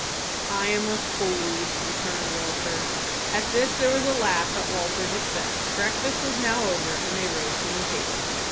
"I am a fool," returned Walter. At this there was a laugh at Walter's expense. Breakfast was now over, and they rose from the table.